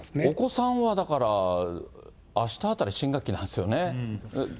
お子さんはだから、あしたあたり、新学期なんですよね。